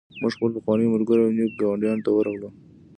موږ خپلو پخوانیو ملګرو او نویو ګاونډیانو ته ورغلو